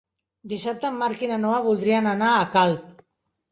Dissabte en Marc i na Noa voldrien anar a Calp.